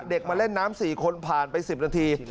มาเล่นน้ำ๔คนผ่านไป๑๐นาที